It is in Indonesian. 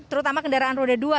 terutama kendaraan roda dua